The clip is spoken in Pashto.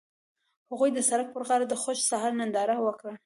هغوی د سړک پر غاړه د خوښ سهار ننداره وکړه.